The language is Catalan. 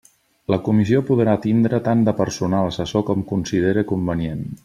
La comissió podrà tindre tant de personal assessor com considere convenient.